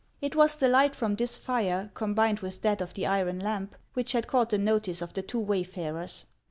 It was the light from this fire, combined with that of the iron lam}), which had caught the notice of the two wayfarers.